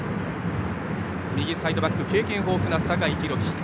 右サイドバック経験豊富な酒井宏樹。